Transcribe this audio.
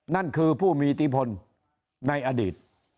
นั่นคือผู้มีอิทธิพลในอดีต